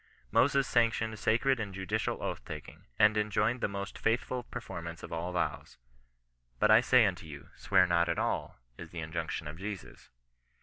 Moses sanctioned sacred and judicial oath taking, and enjoined* the most faithful performance of all vows. " But I say unto you, swear not at all," is the injunction of Jesus.